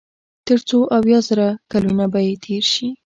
تر څو اويا زره کلونه به ئې تېر شي